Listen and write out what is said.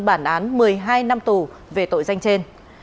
bản án một mươi hai năm tù về tội danh trên